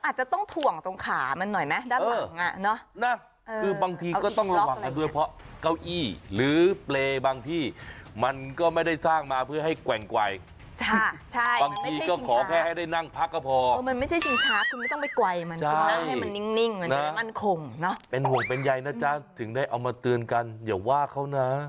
จริงค่ะค่ะ